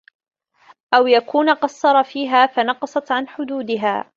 أَوْ يَكُونَ قَصَّرَ فِيهَا فَنَقَصَتْ عَنْ حُدُودِهَا